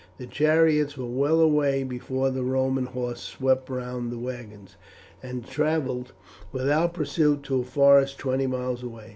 The chariots were well away before the Roman horse swept round the wagons, and travelled without pursuit to a forest twenty miles away.